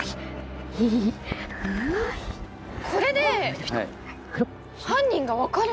これで犯人が分かるんですか？